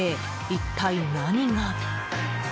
一体、何が？